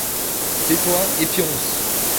Tais-toi, et pionce !